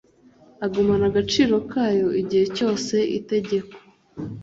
agumana agaciro kayo igihe cyose itegeko